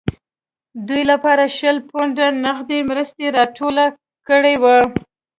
دوی لپاره شل پونډه نغدي مرسته راټوله کړې وه.